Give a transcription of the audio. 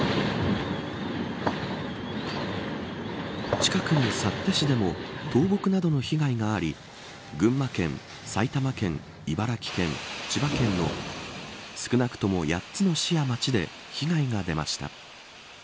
近くの幸手市でも倒木などの被害があり群馬県、埼玉県、茨城県千葉県の少なくとも８つの市や町で被害が出ました。